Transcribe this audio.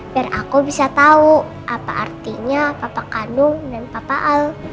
biar aku bisa tau apa artinya papa kanu dan papa al